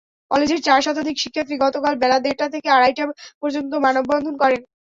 কলেজের চার শতাধিক শিক্ষার্থী গতকাল বেলা দেড়টা থেকে আড়াইটা পর্যন্ত মানববন্ধন করেন।